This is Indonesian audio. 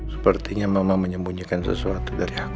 sepertinya mama menyembunyikan sesuatu dari hati